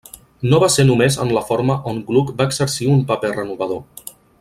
No va ser només en la forma on Gluck va exercir un paper renovador.